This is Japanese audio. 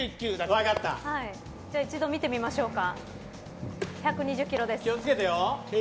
一度見てみましょうか。